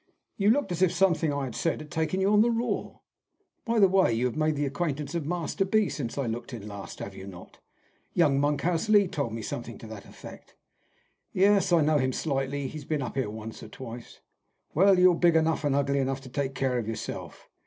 "You looked as if something I had said had taken you on the raw. By the way, you have made the acquaintance of Master B. since I looked in last, have you not? Young Monkhouse Lee told me something to that effect." "Yes; I know him slightly. He has been up here once or twice." "Well, you're big enough and ugly enough to take care of yourself.